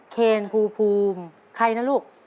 เคนภูมิใครนะลูก